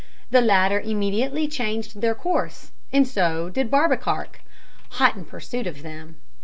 The latter immediately changed their course, and so did Barbekark, hot in pursuit of them.